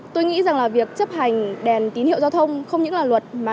tôi nghĩ rằng là việc chấp hành đèn tín hiệu giao thông không những là luật mà